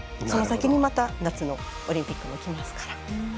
その先に、また夏のオリンピックがきますから。